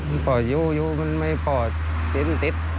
มันป่อยอยู่มันไม่ป่อยสิ้นติด